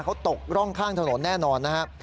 เขาตกร่องข้างถนนแน่นอนนะครับ